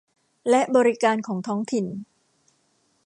และบริการของท้องถิ่น